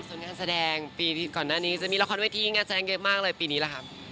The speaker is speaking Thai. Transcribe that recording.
ส่วนงานแสดงปีก่อนหน้านี้จะมีละครเวทีงานแสดงเยอะมากเลยปีนี้แหละครับ